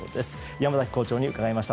山崎校長に伺いました。